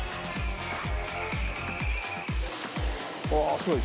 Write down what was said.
ああすごい。